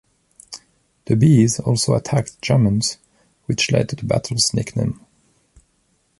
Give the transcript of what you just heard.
The bees also attacked Germans, which led to the battle’s nickname.